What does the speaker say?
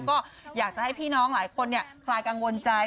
ก็อยากจะให้พี่น้องหลายคนคลายกังวลใจ